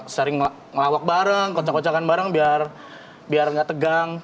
sering ngelawak bareng kocak kocokan bareng biar gak tegang